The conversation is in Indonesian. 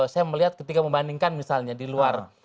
saya melihat ketika membandingkan misalnya di luar